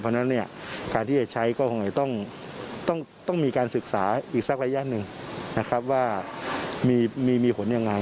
เพราะฉะนั้นเนี่ยการที่จะใช้ก็คงจะต้องมีการศึกษาอีกสักระยะหนึ่งนะครับว่ามีผลยังไง